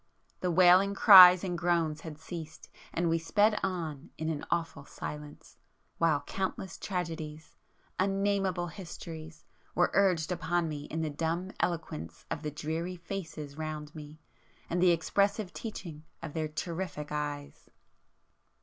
The wailing cries and groans had ceased,—and we sped on in an awful silence,—while countless tragedies,—unnameable histories,—were urged upon me in the dumb eloquence of the dreary faces round me, and the expressive teaching of their terrific eyes!